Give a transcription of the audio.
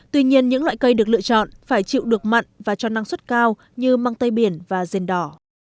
tuy nhiên những loại cây được lựa chọn phải chịu được mặn và cho năng suất cao như măng tây biển và rền đỏ